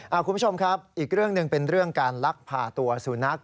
คุณผู้ชมครับอีกเรื่องหนึ่งเป็นเรื่องการลักพาตัวสุนัข